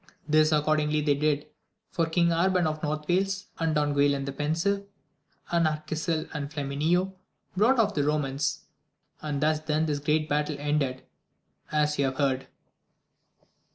This accordingly they did, for Kjng Arban of North Wales, and Don Guilan the Pensive, and Arqui sil, and Flamineo, brought off the Romans ; and thus then this great battle ended, as you have heard.